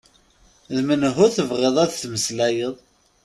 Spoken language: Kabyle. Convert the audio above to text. D menhu tebɣiḍ ad tmeslayeḍ?